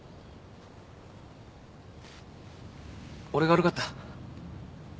俺が悪かった。